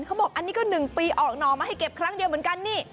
เขาบอกอันนี้ก็๑ปีออกหน่อมาให้เก็บครั้งเดียวเหมือนกันนี่